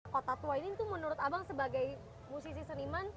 kota tua ini tuh menurut abang sebagai musisi seniman